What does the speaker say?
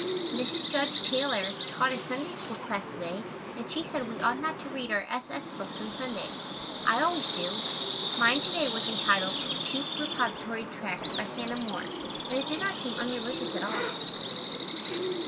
Mrs. Judge Taylor taught our Sunday School class to day and she said we ought not to read our S. S. books on Sunday. I always do. Mine to day was entitled, "Cheap Repository Tracts by Hannah More," and it did not seem unreligious at all.